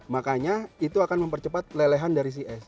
makanya itu akan mempercepat lelehan dari si es